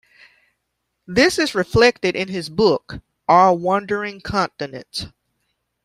This is reflected in his book "Our Wandering Continents".